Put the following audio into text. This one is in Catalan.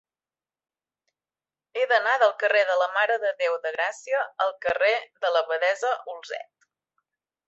He d'anar del carrer de la Mare de Déu de Gràcia al carrer de l'Abadessa Olzet.